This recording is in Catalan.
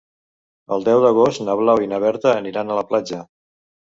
El deu d'agost na Blau i na Berta aniran a la platja.